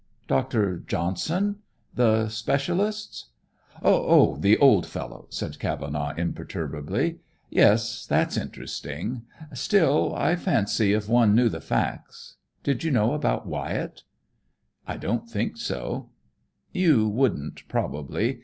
"Dr. Johnson? The specialist? Oh, the old fellow!" said Cavenaugh imperturbably. "Yes, that's interesting. Still, I fancy if one knew the facts Did you know about Wyatt?" "I don't think so." "You wouldn't, probably.